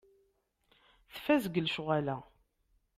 Tfaz deg lecɣal-a.